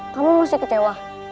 kamu masih kecewa